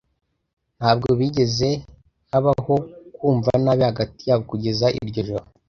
Ntabwo bigeze habaho kumva nabi hagati yabo kugeza iryo joro